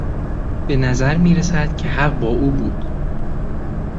به نظر میرسد که حق با او بود.